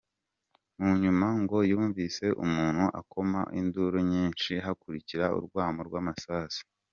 Mu nyuma ngo yumvise umuntu akoma induru nyinshi, hakurikira urwamo rw'amasasu.